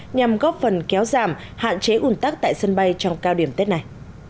nhằm góp phần kéo giảm hạn chế ủn tắc tại sân bay trong cao điểm tết này